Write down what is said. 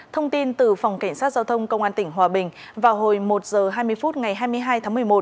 thông tin từ phòng cảnh sát giao thông công an tỉnh hòa bình vào hồi một h hai mươi phút ngày hai mươi hai tháng một mươi một